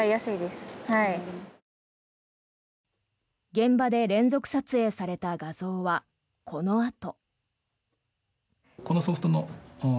現場で連続撮影された画像はこのあと。